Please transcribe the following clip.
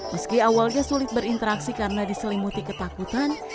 meski awalnya sulit berinteraksi karena diselimuti ketakutan